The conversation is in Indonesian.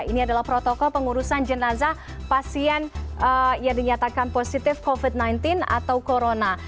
ini adalah protokol pengurusan jenazah pasien yang dinyatakan positif covid sembilan belas atau corona